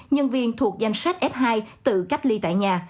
nhân viên thuộc danh sách f hai tự cách ly tại nhà